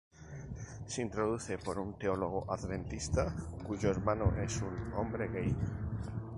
Se introduce por un teólogo Adventista cuyo hermano es un hombre gay.